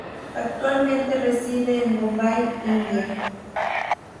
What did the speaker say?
Actualmente reside en Bombay, India.